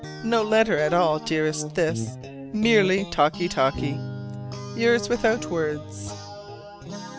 No letter at all, dearest, this; merely talky talky. Yours without words.